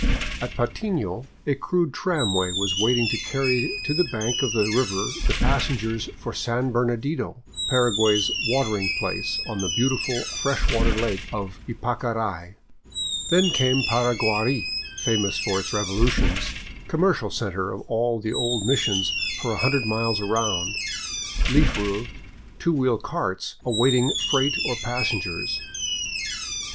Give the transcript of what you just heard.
At Patmo a crude tramway was waiting to carry to the bank of the river the passengers for San Bernadino, Paraguay's " watering place," on the beautiful fresh water lake of Ypacarai. Then came Paraguari, famous for its revolutions, commercial center of all the old missions for a hundred miles around, leaf roofed, two wheel carts awaiting freight or passengers.